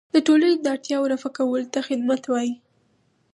د ټولنې د اړتیاوو رفع کولو ته خدمت وایي.